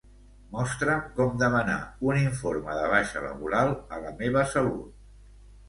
Mostra'm com demanar un informe de baixa laboral a La meva salut.